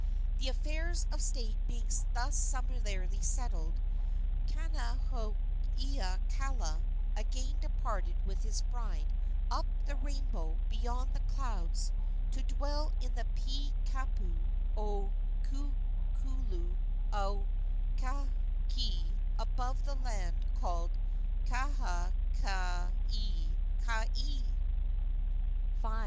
The affairs of state being thus summarily settled, Kaonohiokala again departed with his bride up the rainbow beyond the clouds, to dwell in the pea kapu o Kukulu o Kahiki, above the land called Kahakaekaea. V.